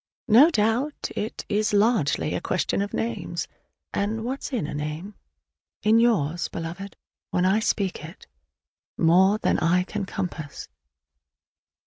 No doubt it is largely a question of names; and what's in a name? In yours, Beloved, when I speak it, more than I can compass!